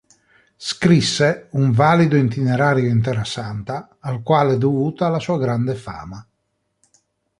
Scrisse un valido "Itinerario in Terrasanta", al quale è dovuta la sua grande fama.